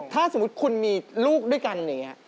ถ้าสมมุติคุณมีลูกด้วยกันอย่างนี้